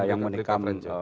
ya yang menikam